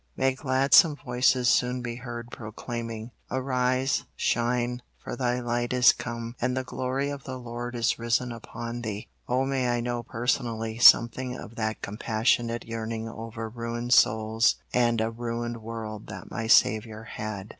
May gladsome voices soon be heard proclaiming, "Arise, shine, for thy light is come, and the glory of the Lord is risen upon thee." Oh may I know personally something of that compassionate yearning over ruined souls and a ruined world that my Saviour had.